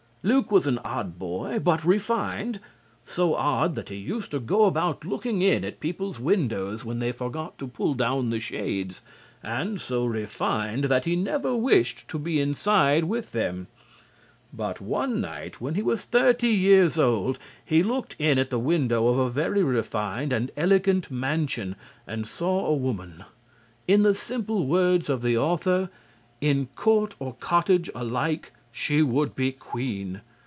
Luke was an odd boy but refined. So odd that he used to go about looking in at people's windows when they forgot to pull down the shades, and so refined that he never wished to be inside with them. But one night, when he was thirty years old, he looked in at the window of a very refined and elegant mansion and saw a woman. In the simple words of the author, "in court or cottage alike she would be queen."